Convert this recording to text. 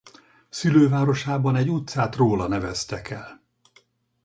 Szülővárosában egy utcát róla neveztek el.